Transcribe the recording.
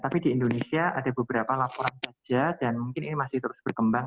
tapi di indonesia ada beberapa laporan saja dan mungkin ini masih terus berkembang